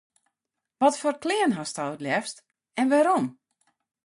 Watfoar klean hast it leafst en wêrom?